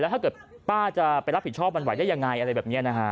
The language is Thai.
ถ้าเกิดป้าจะไปรับผิดชอบมันไหวได้ยังไงอะไรแบบนี้นะฮะ